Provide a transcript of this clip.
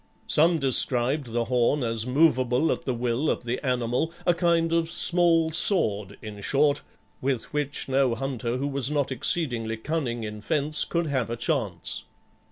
Some described the horn as movable at the will of the animal, a kind of small sword, in short, with which no hunter who was not exceedingly cunning in fence could have a chance.